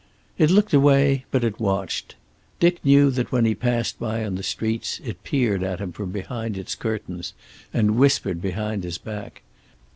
It looked away, but it watched. Dick knew that when he passed by on the streets it peered at him from behind its curtains, and whispered behind his back.